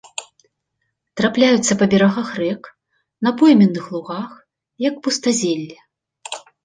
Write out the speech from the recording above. Трапляюцца па берагах рэк, на пойменных лугах, як пустазелле.